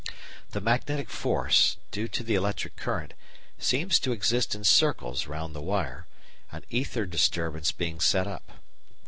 The magnetic force, due to the electric current, seems to exist in circles round the wire, an ether disturbance being set up.